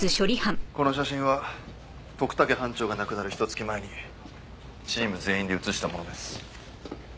この写真は徳武班長が亡くなるひと月前にチーム全員で写したものです。